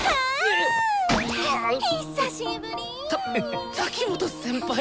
たっ滝本先輩！